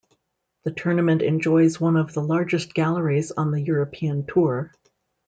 The tournament enjoys one of the largest galleries on the European Tour.